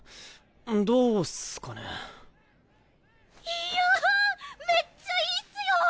いやめっちゃいいっすよ！